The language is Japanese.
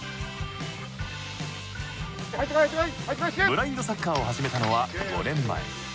ブラインドサッカーを始めたのは５年前。